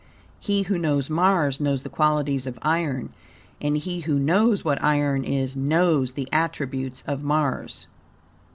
He who knows Mars knows the qualities of iron, and he who knows what iron is knows the attributes of Mars.